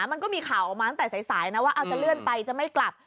มันก็มีข่าวออกมาตั้งแต่สายนะว่าเอาจะเลื่อนไปจะไม่กลับ